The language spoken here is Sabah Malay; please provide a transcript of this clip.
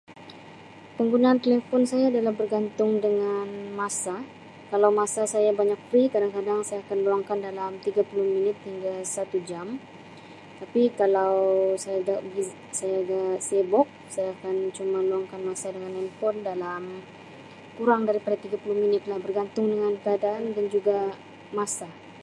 "Penggunaan telefon saya adalah bergantung dengan masa kalau masa saya banyak ""free"" kadang-kadang saya akan meluangkan dalam tiga puluh minit hingga satu jam tapi kalau saya ada bz saya ada sibuk saya akan cuma meluangkan masa dengan ""handphone"" dalam kurang daripada tiga puluh minit lah bergantung dengan keadaan dan juga masa."